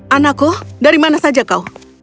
anakku dari mana saja kau